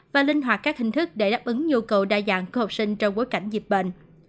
và linh hoạt các hình thức để đáp ứng nhu cầu đa dạng của học sinh trong bối cảnh dịch bệnh